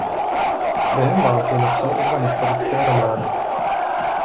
Během války napsal i dva historické romány.